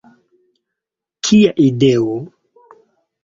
Kia ideo!